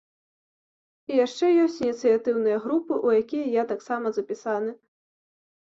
І яшчэ ёсць ініцыятыўныя групы, у якія я таксама запісаны.